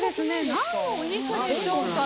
何のお肉でしょうか。